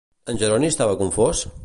En Jeroni estava confós?